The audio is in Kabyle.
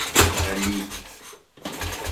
Teɣli.